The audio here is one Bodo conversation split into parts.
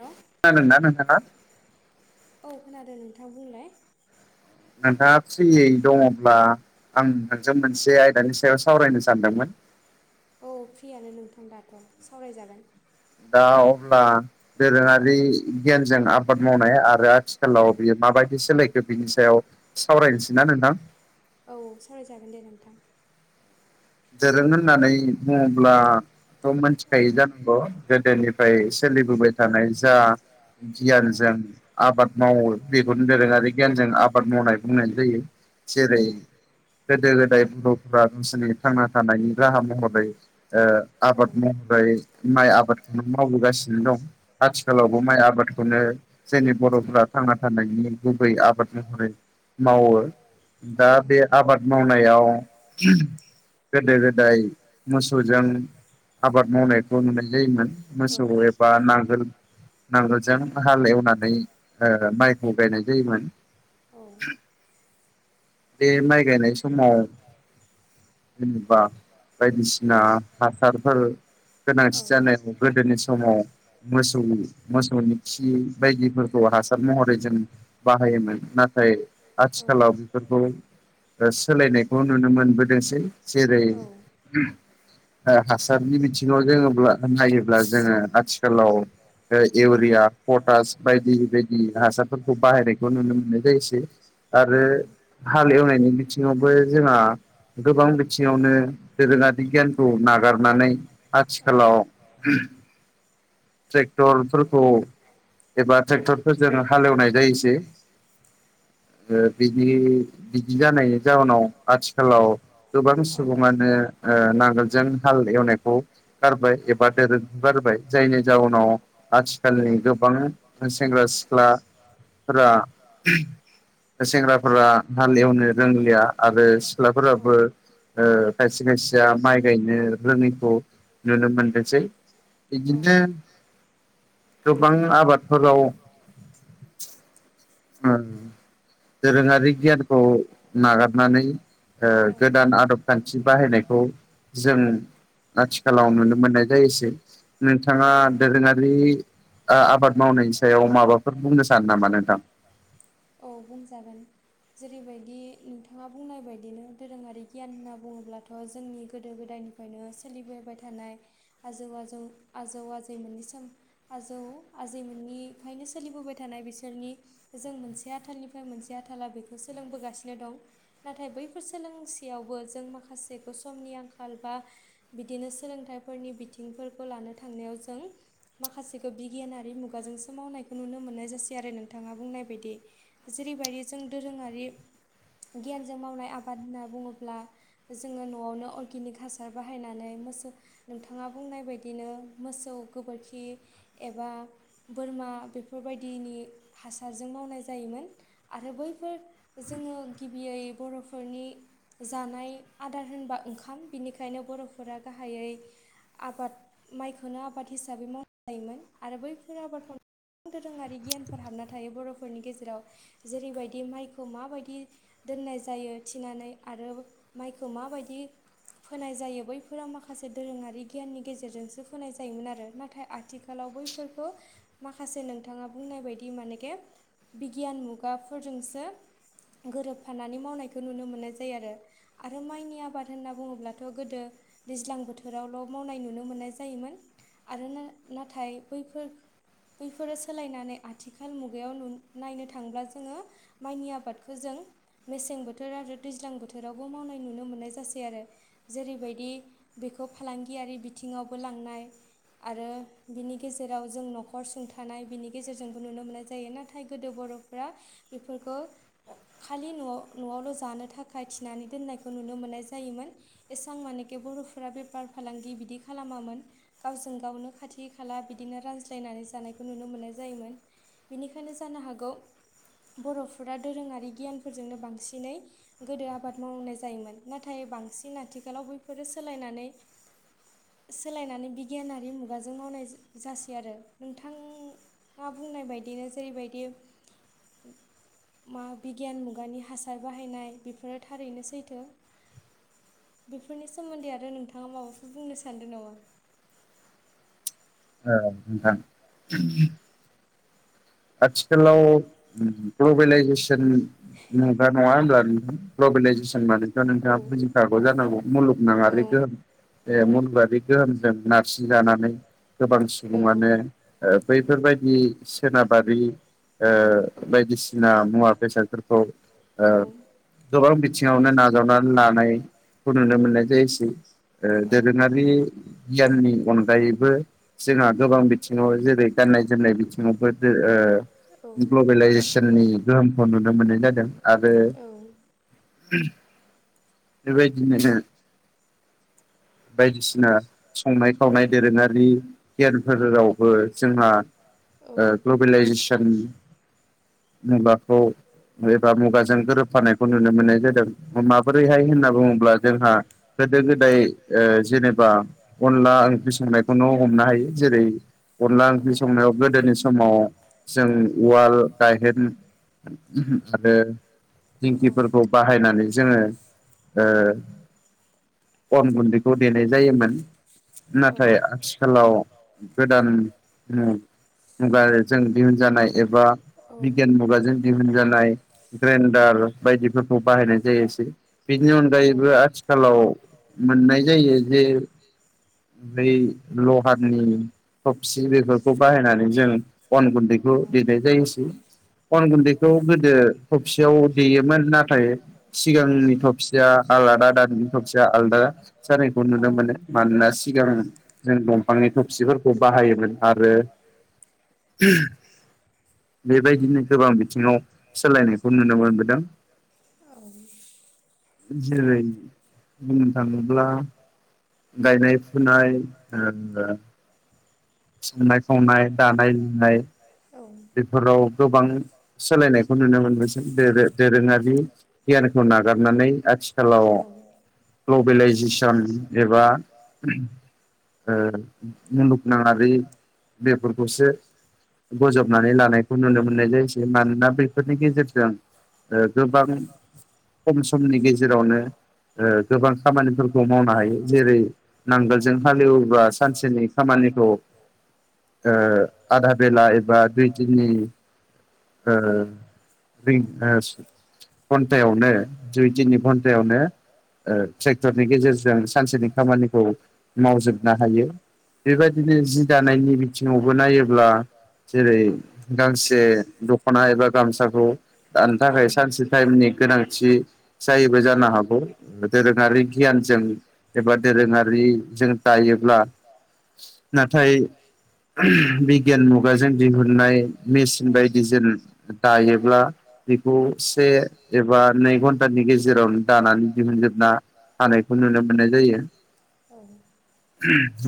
हेल' खोनादों ना नोंथाङा? औ खोनादों नोंथाङा बुंलाय नोंथाङा फ्रियै दङब्ला आं नोंजों मोनसे आयदानि सायाव सावरायनो सानदोंमोन औ फ्रियानो नोंथां दाथ' सावरायजागोन दा अब्ला दोरोङारि गियानजों आबाद मावनाया आरो आरो औ आथिखालाव बियो माबायदि सोलायखो बिनि सायाव सावरायनोसैना नोंथां? औ सावरायजागोन दे नोंथां दोरों होननानै बुङोब्लाथ' औ मिथिखायो जानांगौ गोदोनिफ्राय सोलिबोबाय थानाय जा औ गियानजों आबाद मावो बेखौनो दोरोङारि गियानजों आबाद मावनाय बुंनाय जायो औ जेरै गोदो गोदाय बर'फोरा गावसोरनि थांना थानायनि राहा महरै ओ औ आबाद मावबाय माइ आबादखौनो मावो नुबोगासिनो दं औ आथिखालावबो माइ आबादखौनो जोंनि बर'फोरा थांना थानायनि गुबै आबाद महरै मावो दा बे आबाद मावनायाव गोदो गोदाय मोसौजों आबाद मावनायखौ नुनाय जायोमोन मोसौ एबा नांगोल हाल एवनानै माइखौ गायनाय जायोमोन। बे माइ गायनाय समाव जेनेबा बायदिसिना हासारफोर गोनांथि जानाय गोदोनि समाव मोसौ मोसौनि खि बायदिफोरखौ हासार महरै जों बाहायोमोन नाथाय नाथाय आथिखालाव बेफोरखौ सोलायनायखौ नुनो मोनबोदोंसै जेरै, औ हासारनि बिथिङाव जोङो नायोब्ला जोङो आथिखालाव औ औ इउरिया पटास बायदि बायदि हासारफोरखौ बाहायनायखौ नुनो मोननाय जायोसै आरो हाल एवनायनि बिथिङावबो जोंहा गोबां बि थिङावनो दोरोङारि गियानखौ नागारनानै आथिखालाव ट्रेक्ट'रफोरखौ एबा ट्रेक्टरफोरजों हालेवनाय जायोसै बिदि जानायनि जाउनाव आथिखालाव गोबां सुबुङानो नांगोलजों हाल एवनायखौ गारबाय एबा दोरोंखौ गारबाय जायनि जाउनाव आथिखालनि गोबां सेंग्रा सिख्लाफोरा सेंग्राफोरा हालेवनो रोंलिया आरो सिख्लाफोराबो ओ खायसे खायसेया माइ गायनो रोङैखौ नुनो मोनदोंसै बिदिनो गोबां आबादफोराव दोरोङारि गियानखौ नागारनानै गोदान आदब खान्थि बाहायनायखौ जों आथिखालाव नुनो मोननाय जायोसै नोंथाङा दोरोङारि आबाद मावनायनि सायाव माबाफोर बुंनो सानो नामा नोंथां औ बुंजागोन जेरैबायदि नोंथाङा बुंनाय बायदिनो दोरोङारि गियान होनना बुङोब्लाथ' जोंनि गोदो गोदाय यनिफ्रायनो सोलिबोबाय थानाय आजौ आजैमोननि आजै मोननिफ्रायनो सोलिबोबाय थानाय बिसोरनि जों मोनसे आथालनिफ्राय मोनसे आथाला बे सोलोंगासिनो दं नाथाय बैफोर सोलोंसेयावबो जों माखासे समनि आंखाल बा बिदिनो सोलोंथाइफोरनि बिथिंफोरखौ लानो थांनायाव जों माखासेखौ बिगियानारि मुगाजोंसो मावनायखौ नुनो मोननाय जासै आरो नोंथाङा बुंनाय बायदि जेरैबायदि जों दोरोङारि गियानजों मावनाय आबाद होनना बुङोब्ला जोङो न'आवनो अर्गेनिक हासार बाहायनानै नोंथाङा बुंनाय बायदिनो मोसौ गोबोरखि एबा बोरमा बेफोर बायदिनि हासारजों मावनाय जायोमोन आरो बैफोर जोङो गिबियै बर'फोरनि जानाय आदार होनबा ओंखाम बेनिखायनो बर'फोरा गाहायै आबाद माइखोनो आबाद हिसाबै मावनाय जायोमोन आरो बैफोर आबाद माव गोबां दोरोङारि गियानफोर हाबना थायो बर'फोरनि गेजेराव जेरैबायदि दि माइखौ माबायदि दोननाय जायो थिनानै आरो माइखौ माबायदि फोनाय जायो बैफोरा माखासे दोरोङारि गियाननि गेजेरजोंसो फोनाय जायोमोन आरो नाथाय आथिखालाव बैफोरखो माखासे नोंथाङा बुंनाय बायदि माने के बिगियान मुगा- फोरजोंसो गोरोबफानानै मावनायखौ नुनो मोननाय जायो। आरो आरो माइनि आबाद होनना बुङोब्लाथ' गोदो दैज्लां बोथोरावल' मावनाय नुनो मोननाय जायोमोन आरो ना -नाथाय बैफोर बैफोरो सोलायनानै आथिखाल मुगायाव नु नायनो थांङोब्ला जोङो माइनि आबादखौ जों मेसें बोथोर आरो दैज्लां बोथोरावबो मावनाय नुनो मोननाय जासै आरो। जेरैबायदि बेखौ फालांगियारि बिथिङावबो लांनाय आरो बिनि गेजेराव जों न'खर सुंथानाय बिनि गेजेरजोंबो नुनो मोननाय जायो नाथाय गोदो बर'फ्रा बेफोरखौ खालि न'आ नवावल' जानो थाखाय थिनानै दोननायखौ नुनो मोननाय जायोमोन एसां मानेके बर'फोरा बेफार फालांगि बिदि खालामामोन गावजों गावनो खाथि खाला बिदिनो रानज्लायना नै जानायखौ नुनो मोननाय जायोमोन बेनिखायनो जानो हागौ बर'फोरा दोरोङारि गियानफोरजोंनो बांसिनै गोदो आबाद मावनाय जायोमोन नाथाय बां सिन आथिखालाव बैफोरो सोलायनानै सोलायनानै बिगियानारि मुगाजों मावनाय जासै आरो नोंथां आ बुंनाय बायदिनो जेरैबायदि मा बिगियान मुगानि हासार बाहायनाय बेफोरो थारैनो सैथो। बेफोरनि सोमोन्दै आरो नोंथाङा माबाफोरो बुंनो सान्दों नामा? [inaudible] औ नोंथां आथिखालाव ग्लबेलाइजेसन मुगा नङा होमब्ला नोंथां ग्लबेलाइजेसन ओमबाथ' औ नोंथाङा बुजिखागौ जानांगौ औ मुलुगनाङारि गोहोम ए मुलुग आरि गोहोमजों नारसिनजानानै गोबां औ सुबुङानो ओ बै बेफोरबायदि सोनाबारि ओ बायदिसिना मुवा बेसादफोरखौ ओ गोबां बिथिङावनो नाजावनानै लानायखौ नुनो मोननाय जायोसै। ओ औ दोरोङारि गियाननि अन गायैबो जोंहा गोबां बिथिङाव जेरै गाननाय जोमनाय बिथिङावबो ओ औ ग्लबेलाइजेसननि गोहोमखौ नुनो मोननाय जादों। आरो औ बेबायदिनो बायदिसिना संनाय खावनाय दोरोङारि खेलफोरावबो जोंहा ओ ग्लबेलाइजेसन मुगाखौ बा मुगाजों गोरोबफानायखौ नुनो मोननाय जादों माबोरैहाय होनना बुङोब्ला जोंहा गोदो गोदाय ओ जेनेबा अनला ओंख्रि संनायखौनो हमनो हायो जेरै अनला ओंख्रि संनायाव गोदोनि समाव जों उवाल गाहेन आरो दिंखिफोरखौ बाहायनानै जोङो ओ अन गुन दै देनाय जायोमोन। नाथाय आथिखालाव गोदान मुगाजों दिहुन जानाय एबा बिगियान मुगाजों दिहुन जानाय दार बायदिफोरखौ बाहायनाय जायोसै बिनि अनगायैबो आथिखालाव मोननाय जायो जे बै लहानि थबसि बेफोरखौ बाहायनानै जों अन गुन्दैखौ देनाय जायोसै। अन गुन्दैखौ गोदो थफसियाव देयोमोन नाथाय सिगांनि थबसिया आलादा दा बिनि थबसिया आलादा जानायखौ नुनो मोनो मानोना सिगां जों दं फांनि थफसिफोरखौ बाहायोमोन आरो बेबायदिनो गोबां बिथिङाव सोलायनायखौ नुनो मोनबोदों। [inaudible] जेरै बुंनो थाङो ब्ला गायनाय फुनाय ओ संनाय खावनाय दानाय लुनाय बेफोराव गोबां सोलायनायखौ नुनोमोनबोसै दोरों दोरोङारि गियानखौ नागारनानै आथिखालाव ग्लबेलाइजेसन एबा ओ मुलुगनाङारि बेफोरखौसो बोजब नानै लानायखौ नुनो मोननाय जायसै। मानोना बेफोरनि गेजेरजों ओ गोबां खम समनि गेजेरावनो ओ गोबां खामानिफोरखौ मावनो हायो। जेरै-नांगोलजों हालेवोबब्ला सानसेनि खामानि‌ खौ ओ आधा बेला एबा दुइ-तिनि ओ दुइ ओ घन्टायावनो दुइ-तिनि घन्टायावनो ओ ट्रेक्टरनि गेजेरजों सानसेनि खामानिखौ मावजोबनो हायो। बेबायदिनो जि दानायनि बिथिङावबो नायोब्ला जेरै गांसे दख'ना एबा गामसाखौ दानो थाखाय सानसे टाइमनि गोनांथि जायोबो जानो हागौ दोरोङारि गियानजों एबा औ दोरोङारिजों औ औ दायोब्ला नाथाय बिगियान मुगाजों दिहुननाय मेसिन बायदि जों दायोब्ला बेखौ से एबा नै घन्टानि गेजेरावनो दानानै दिहुनजोबना हानायखौ नुनो मोननाय जायो। औ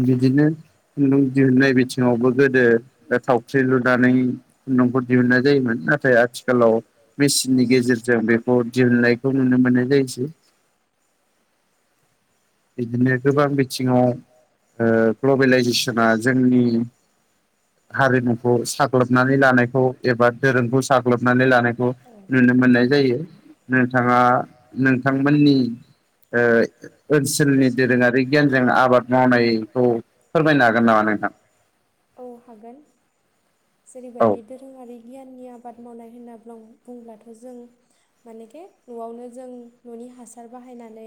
बिदिनो खुन्दुं दिहुननाय बि थिङावबो गोदो ओ थावख्रि लुनानै खुन्दुंखौ दिहुननाय जायोमोन। नाथाय आथिखालाव मेचिननि गेजेरजों बेखौ दिहुननायखौ नुनो मोननाय जायोसै। [inaudible] बिदिनो गोबां बिथिङाव ओ ग्लबेलाइजेसना जोंनि हारिमुखौ साग्लोबनानै लानायखौ एबा दोरोंखौ साग्लोबनानै लानायखौ औ नु नो मोननाय जायो। नोंथाङा नोंथांमोननि ओ ओनसोलनि दोरोङारि गियानजों आबाद मावनायखौ फोरमायनो हागोन नामा नोंथां? औ हागोन औ जेरैबायदि दोरोङारि गियाननि आबाद मावनाय होनना बुं- बुंब्लाथ' जों मानेखे न'आवनो जों न'नि हासार बाहायनानै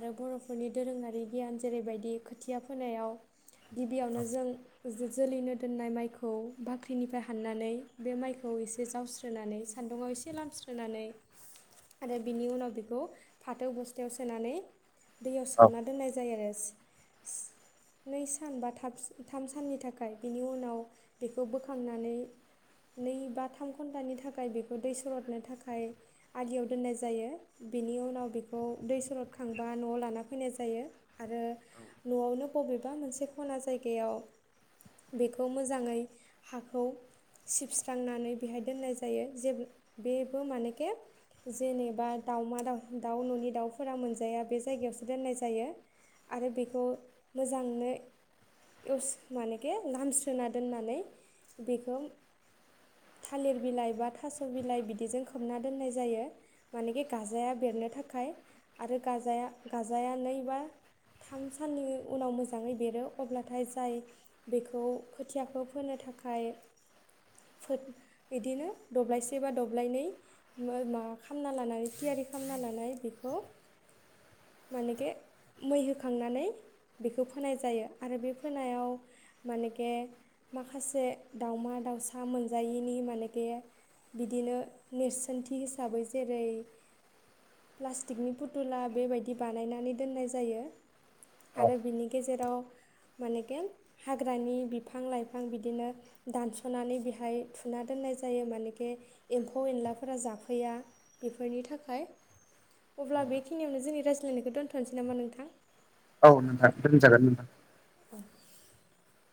आरो बर'फोरनि दोरोङारि गियान जेरैबायदि खोथिया फोनायाव गिबियावनो जों जोलैनो दोननाय माइखौ बाख्रिनिफ्राय हाननानै बे माइखौ एसे जावस्रोनानै सान्दुंङाव एसे लामस्रोनानै आरो बिनि उनाव बेखौ फाथो बस्थायाव सोनानै दैयाव औ सोमना दोननाय जायो आरो नै सान बा थाब-थाम साननि थाखाय बिनि उनाव बेखौ बोखांनानै नै बा थाम घन्टानि थाखाय बेखौ दै सरदनो थाखाय आलियाव दोननाय जायो। बिनि उनाव बेखौ दै सरद खांबा न'आव लाना फैनाय जायो आरो न'आवनो बबेबा मोनसे खना जायगायाव बेखौ मोजाङै हाखौ सिबस्रांनानै बेहाय दोननाय जायो। जे बेबो मानेखे जेनेबा दाउमा दाउ दाउ न'नि दाउफोरा मोनजाया बे जायगायावसो दोननाय जायो। आरो बेखौ मोजांनो मानेखे लामस्रोना दोननानै बेखौ। थालिर बिलाइ बा थास' बिलाइ बिदिजों खोबना दोननाय जायो मानेखि गाजाया बेर। बेरनो थाखाय आरो गाजाया नै बा। थाम साननि उनाव मोजांङै बेरो अब्लाथाय जाय बेखौ खोथियाखौ फोनो। थाखाय। फो बिदिनो दब्लायसे बा दब्लायनै माबा खालामना लानानै थियारि। खालामना लानानै बेखौ मानेे मै होखांनानै। बेखौ फोनाय जायो आरो बे फोनायाव मानेखे। माखासे दावमा दाउसा मोनजायैनि मानेखे। बिदिनो नेरसोनथि हिसाबै जेरै। प्लास्टिकनि फुथुला बेबायदि बानायनानै दोननाय जा। जायो औ आरो बिनि गेजेराव मानेखे हाग्रानि बिफां लाइफां बिदिनो दानसनानै बेहाय थुना दोननाय। जायो मानेखे एम्फौ एनलाफोरा जाफैया बेफोरनि थाखाय अब्ला बेखिनियावनो जोंनि रायज्लायनायखौ दोनथनोसै नामा नोंथां औ नोंथां दोनजागोन नोंथां। [inaudible]